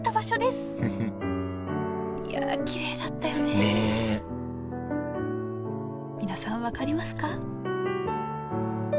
いやあきれいだったよねねえ皆さん分かりますか？